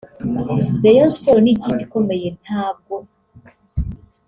rayons Sports ni ikipe ikomeye ntabwo »